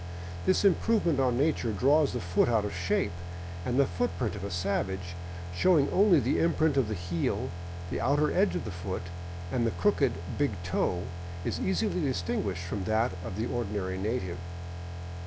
This improvement on nature draws the foot out of shape, and the footprint of a savage, showing only the imprint of the heel, the outer edge of the foot, and the crooked big toe, is easily distinguished from that of the ordinary native.